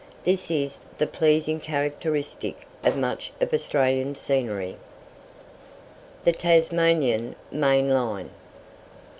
This is the pleasing characteristic of much of Australian scenery. THE TASMANIAN MAIN LINE.